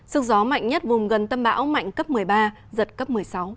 sức gió mạnh nhất vùng gần tâm bão mạnh cấp một mươi ba giật cấp một mươi sáu